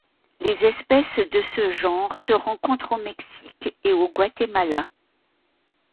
Les espèces de ce genre se rencontrent au Mexique et au Guatemala.